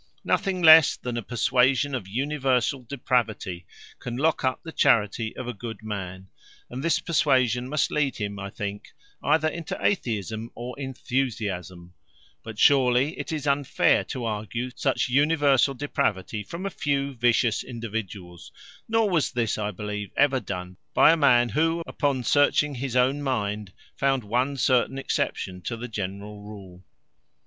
Nothing less than a persuasion of universal depravity can lock up the charity of a good man; and this persuasion must lead him, I think, either into atheism, or enthusiasm; but surely it is unfair to argue such universal depravity from a few vicious individuals; nor was this, I believe, ever done by a man, who, upon searching his own mind, found one certain exception to the general rule."